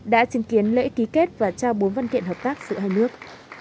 đã chứng kiến lễ ký kết và trao bốn văn kiện hợp tác giữa hai nước